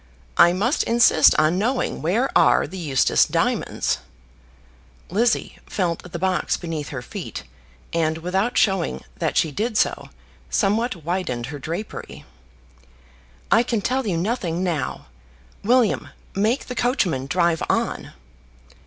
"I must insist on knowing where are the Eustace diamonds." Lizzie felt the box beneath her feet, and, without showing that she did so, somewhat widened her drapery. "I can tell you nothing now. William, make the coachman drive on."